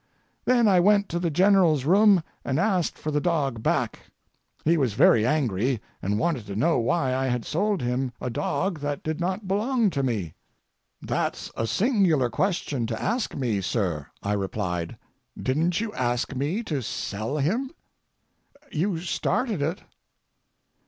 Then I went to the General's room and asked for the dog back. He was very angry, and wanted to know why I had sold him a dog that did not belong to me. "That's a singular question to ask me, sir," I replied. "Didn't you ask me to sell him? You started it."